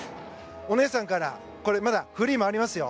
お姉さんからまだ、フリーもありますよ。